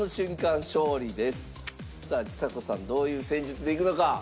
さあちさ子さんどういう戦術でいくのか。